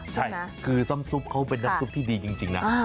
ใช่คือน้ำซุปเขาเป็นน้ำซุปที่ดีจริงนะ